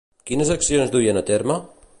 Quines accions duien a terme?